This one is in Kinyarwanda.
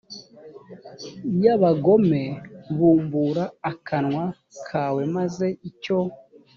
y abagome bumbura akanwa kawe maze icyo